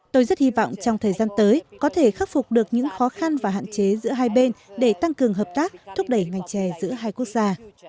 tôi rất hy vọng trong thời gian tới có thể khắc phục được những khó khăn và hạn chế giữa hai bên để tăng cường hợp tác thúc đẩy ngành trè giữa hai quốc gia